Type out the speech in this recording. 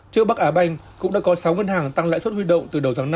trước bắc á banh cũng đã có sáu ngân hàng tăng lãi suất huy động từ đầu tháng năm